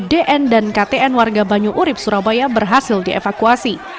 dn dan ktn warga banyu urib surabaya berhasil dievakuasi